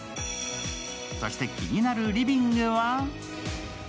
そして、気になるリビングは？